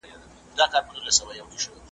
شـوه ترې نـه جوړه غلبله محفل کښې